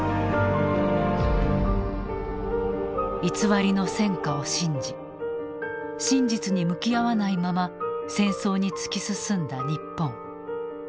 偽りの戦果を信じ真実に向き合わないまま戦争に突き進んだ日本。